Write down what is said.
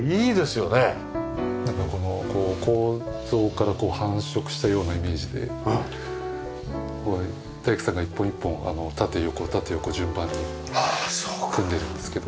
なんかこの構造から繁殖したようなイメージで大工さんが一本一本縦横縦横順番に組んでるんですけど。